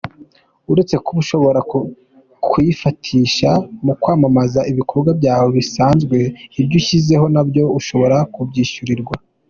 Uretse kuba ushobora kuyifashisha mu kwamamaza ibikorwa byawe bisanzwe, ibyo ushyizeho nabyo ushobora kubyishyurirwa.